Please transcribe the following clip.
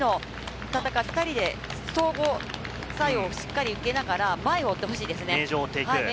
２人で相互作用をしっかり受けながら前を追ってほしいですね。